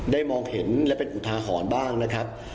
มองเห็นและเป็นอุทาหรณ์บ้างนะครับ